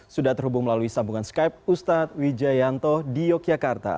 sudah terhubung melalui sambungan skype ustadz wijayanto di yogyakarta